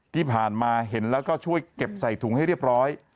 ที่ผ่านมาเห็นแล้วก็ช่วยเก็บใส่ถุงให้เรียบร้อย